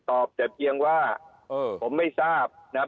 ตอบแต่เจียงว่าเออผมไม่ทราบนะฮะ